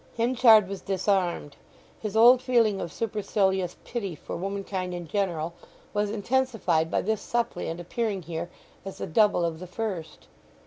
Henchard was disarmed. His old feeling of supercilious pity for womankind in general was intensified by this suppliant appearing here as the double of the first.